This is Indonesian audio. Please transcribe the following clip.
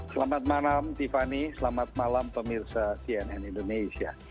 selamat malam tiffany selamat malam pemirsa cnn indonesia